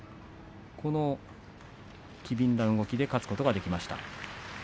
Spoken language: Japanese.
この機敏な動きで勝つことができました。